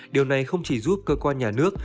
điều này không chỉ giúp cơ quan nhà nước